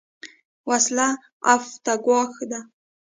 وسله عفت ته ګواښ ده